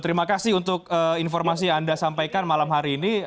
terima kasih untuk informasi yang anda sampaikan malam hari ini